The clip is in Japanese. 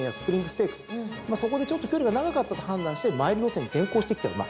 まあそこでちょっと距離が長かったと判断してマイル路線に転向してきた馬。